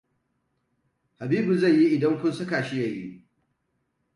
Habibu zai yi idan kun saka shi ya yi.